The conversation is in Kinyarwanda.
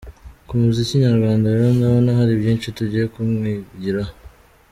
Ku muziki nyarwanda rero ndabona hari byinshi tugiye kumwigiraho.